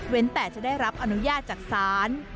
แต่จะได้รับอนุญาตจากศาล